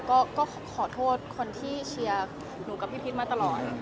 ก็ขอโทษคนที่เชียร์หนูกับพี่พีชมาตลอด